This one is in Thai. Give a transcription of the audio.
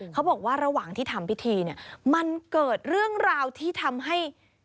เขาบอกว่าระหว่างที่ทำพิธีเนี่ยมันเกิดเรื่องราวที่ทำให้